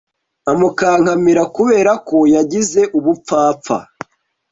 amukankamira kubera ko yagize ubupfapfa